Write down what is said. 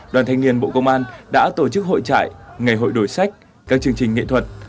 đoàn thanh niên bộ công an đã tổ chức hội trại ngày hội đổi sách các chương trình nghệ thuật